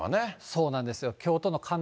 そうなんですよ。